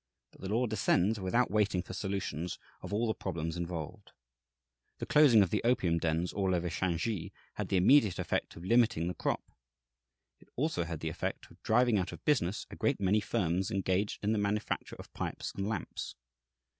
But the law descends without waiting for solutions of all the problems involved. The closing of the opium dens all over Shansi had the immediate effect of limiting the crop. It also had the effect of driving out of business a great many firms engaged in the manufacture of pipes and lamps.